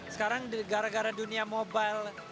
sekarang gara gara dunia mobile